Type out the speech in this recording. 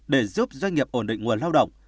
để giúp doanh nghiệp ổn định nguồn lao động